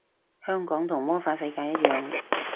香港同魔法世界一樣